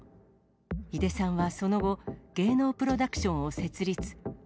井出さんはその後、芸能プロダクションを設立。